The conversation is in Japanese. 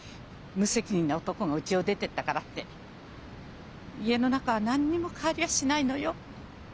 無責任な男がうちを出てったからって家の中は何にも変わりゃしないのよ。